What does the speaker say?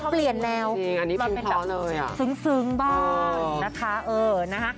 เปลี่ยนแนวเป็นแบบซึ้งบ้างนะคะเออนะคะ